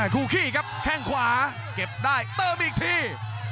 คู่ขี้ครับแข้งขวาเก็บได้เติมอีกที